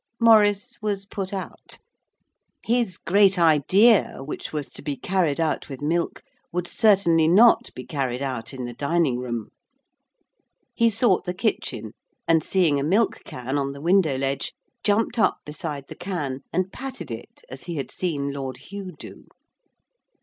Maurice was put out. His great idea, which was to be carried out with milk, would certainly not be carried out in the dining room. He sought the kitchen, and, seeing a milk can on the window ledge, jumped up beside the can and patted it as he had seen Lord Hugh do.